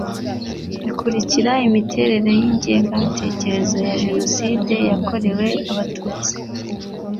ikurikira Imiterere y ingengabitekerezo ya Jenoside yakorewe Abatutsi